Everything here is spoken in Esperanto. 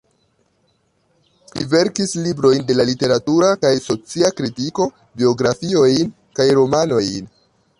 Li verkis librojn de literatura kaj socia kritiko, biografiojn kaj romanojn.